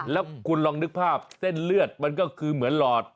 แล้วคุณลองนึกภาพเส้นเลือดมันก็คือเหมือนหลอด